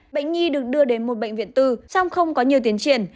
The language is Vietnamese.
bệnh nhi được đưa đến một bệnh viện tư song không có nhiều tiến triển